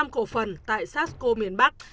bốn mươi chín cổ phần tại sarscoe miền bắc